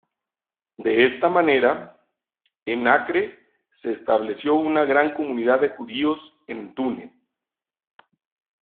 De esta manera, en Acre se estableció una gran comunidad de Judíos en Túnez.